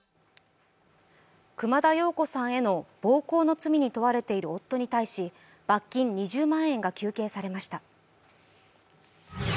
熊田曜子さんへの暴行の罪に問われている夫に対し罰金２０万円が求刑されました。